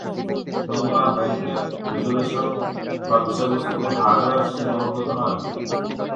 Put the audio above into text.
নমুনা ব্যাংকের রেজল্যুশন বা বিষয়বস্তু হার্ডওয়্যার সীমাবদ্ধতা নয়।